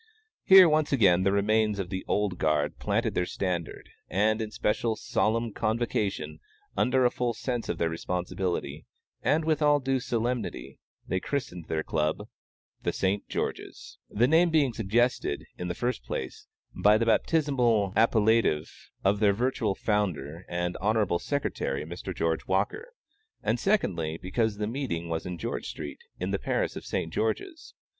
Here, once again, the remains of the "old guard" planted their standard, and in special, solemn convocation, under a full sense of their responsibility, and with all due solemnity, they christened their Club THE ST. GEORGE'S, the name being suggested, in the first place, by the baptismal appellative of their virtual founder and Hon. Sec., Mr. George Walker; and, secondly, because the meeting was in George street, in the parish of St. George's.